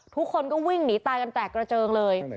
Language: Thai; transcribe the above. ทุกคนก็วิ่งหนีตายกันแตกกระเจิงเลย